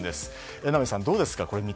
榎並さん、どうですか？